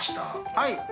はい。